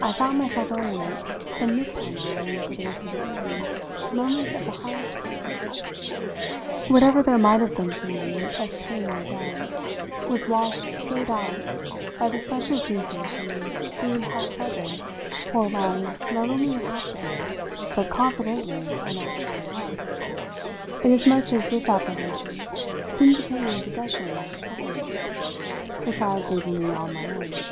I found myself owing it, from this time on and for the rest of the evening, moments of the highest concentration. Whatever there might have been for me of pain or doubt was washed straight out by the special sensation of seeing how "clever" poor Long not only would have to be, but confidently and actually was; inasmuch as this apprehension seemed to put me in possession of his cleverness, besides leaving me all my own.